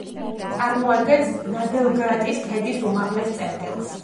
წარმოადგენს ნადელგრატის ქედის უმაღლეს წერტილს.